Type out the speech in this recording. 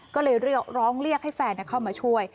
ก็เลยเรียกร้องเรียกให้แฟนเข้ามาช่วย